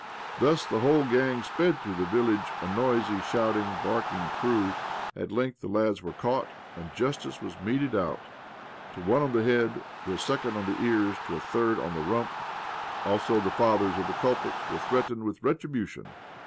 Thus the whole gang sped through the village — a noisy, shouting, barking crew. At length the lads were caught, and justice was meted out — to one on the head, to a second on the ears, to a third on the rump. Also, the fathers of the culprits were threatened with retribution.